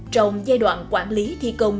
trong giai đoạn quản lý thi công